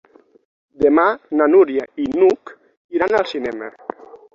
Demà na Núria i n'Hug iran al cinema.